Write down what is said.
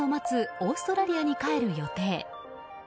オーストラリアに帰る予定。